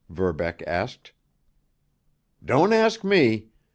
Verbeck asked. "Don't ask me!